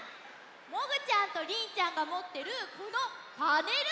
もぐちゃんとりんちゃんがもってるこのパネル！